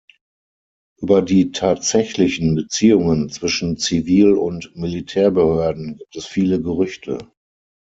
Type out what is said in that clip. Über die tatsächlichen Beziehungen zwischen Zivil- und Militärbehörden gibt es viele Gerüchte.